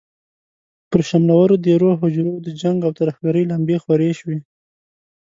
پر شملورو دېرو، هوجرو د جنګ او ترهګرۍ لمبې خورې شوې.